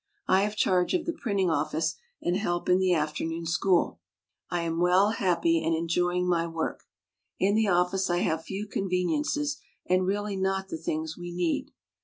I have charge of the printing office and help in the afternoon school. I am well, happy, and am enjoying my work. In the office I have few conveniences and really not the things we need.